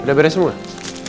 udah beres semua